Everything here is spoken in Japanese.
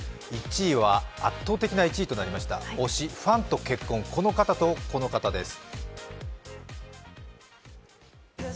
１位は圧倒的な１位となりました推し、ファンと結婚この方と、この方です。